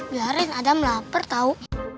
biarin adam lapar tau